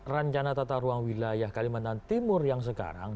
rancana tata ruang wilayah kalimantan timur yang sekarang